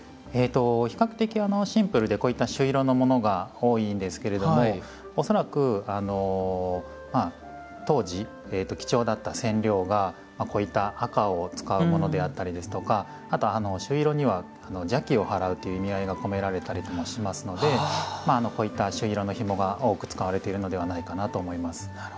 比較的シンプルでこういった朱色のものが多いんですけれども恐らく当時貴重だった染料がこういった赤を使うものであったりですとかあと朱色には邪気を払うという意味合いが込められたりもしますのでこういった朱色のひもが多く使われているのではないかなと思います。